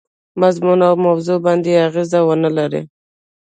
مضمون او موضوع باندي اغېزه ونه لري.